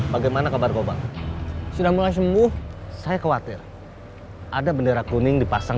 bagaimana kabar korban sudah mulai sembuh saya khawatir ada bendera kuning dipasang